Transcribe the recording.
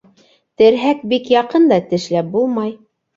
Терһәк бик яҡын да, тешләп булмай.